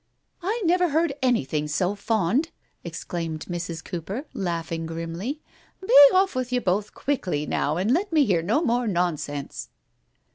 "I never heard anything so fond! " exclaimed Mrs. Cooper, laughing grimly. "Be off with ye both quietly, now, and let me hear no more nonsense."